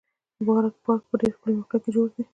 پارک په ډېر ښکلي موقعیت کې جوړ دی.